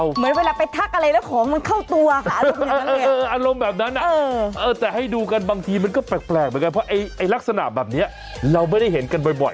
เหมือนเวลาไปทักอะไรแล้วของมันเข้าตัวค่ะอารมณ์แบบนั้นเลย